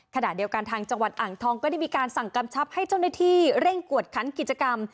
ขณะเดียวกันทางจังหวัดอ่างทองก็ได้มีการสั่งกำชับให้เจ้าหน้าที่เร่งกวดคันกิจกรรม